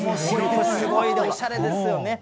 すごいおしゃれですよね。